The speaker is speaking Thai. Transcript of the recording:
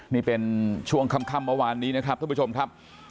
นี่เป็นช่วงค่ำเมื่อวานนี้นะครับท่านผู้ชมครับ